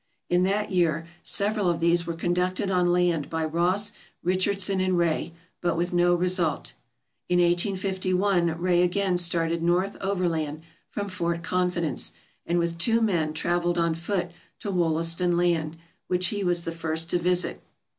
In that year several of these were conducted on land by Ross, Richardson, and Rae, but with no result. In 185 1 Rae again started north overland from Fort Confidence, and with two men traveled on foot to Wollaston Land, which he was the first to visit.